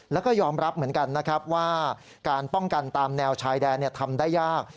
แล้วก็ยอมรับเหมือนกันนะครับว่าการป้องกันตามแนวชายแดนทำได้ยาก